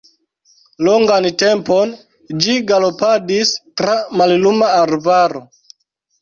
Longan tempon ĝi galopadis tra malluma arbaro.